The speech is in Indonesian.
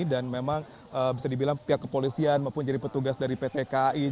dan memang bisa dibilang pihak kepolisian maupun jadi petugas dari pt ki